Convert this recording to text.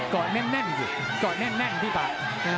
เกาะแน่นอยู่เกาะแน่นพี่ฟ้า